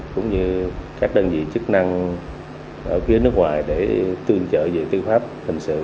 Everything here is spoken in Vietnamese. cũng như các đơn vị chức năng ở phía nước ngoài để tương trợ về tư pháp hình sự